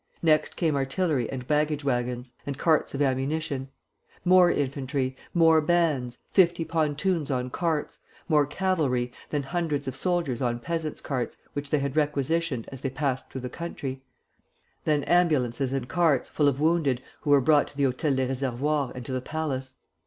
Next came artillery and baggage wagons, and carts of ammunition; more infantry, more bands, fifty pontoons on carts; more cavalry; then hundreds of soldiers on peasants' carts, which they had requisitioned as they passed through the country; then ambulances and carts, full of wounded, who were brought to the Hôtel des Reservoirs and to the Palace.